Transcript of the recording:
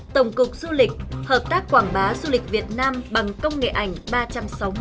tổng cục du lịch hợp tác quảng bá du lịch việt nam bằng công nghệ ảnh ba trăm sáu mươi